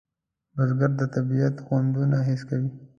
بزګر د طبیعت خوندونه حس کوي